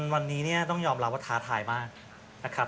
วันนี้เนี่ยต้องยอมรับว่าท้าทายมากนะครับ